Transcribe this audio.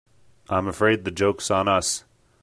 I'm afraid the joke's on us.